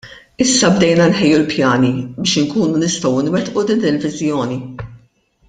Issa bdejna nħejju l-pjani biex inkunu nistgħu nwettqu din il-Viżjoni.